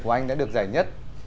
của anh đã được giải nhất